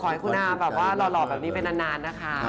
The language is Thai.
ให้คุณอาแบบว่าหล่อแบบนี้ไปนานนะคะ